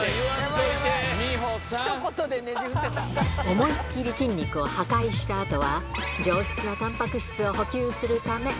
思い切り筋肉を破壊したあとは、上質なたんぱく質を補給するため。